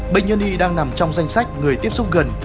bệnh nhân y đang nằm trong danh sách người tiếp xúc gần